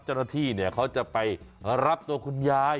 เจ้าหน้าที่เขาจะไปรับตัวคุณยาย